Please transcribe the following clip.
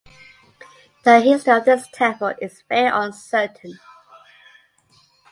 The history of this temple is very uncertain.